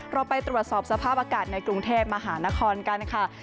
เราไปตรวจสอบสภาพอากาศในกรุงเทพมหานครกันค่ะ